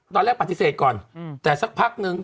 ตอนแรกปฏิเสธก่อนแต่สักพักนึง